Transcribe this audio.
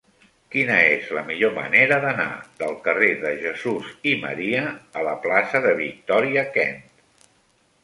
Quina és la millor manera d'anar del carrer de Jesús i Maria a la plaça de Victòria Kent?